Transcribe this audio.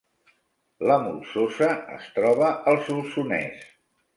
La Molsosa es troba al Solsonès